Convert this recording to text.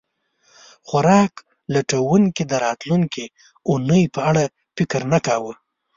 خوراک لټونکي د راتلونکې اوونۍ په اړه فکر نه کاوه.